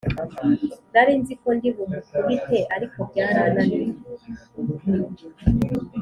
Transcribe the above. Narinziko ndi bumukubite ariko byarananiye